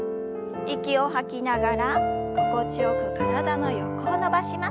息を吐きながら心地よく体の横を伸ばします。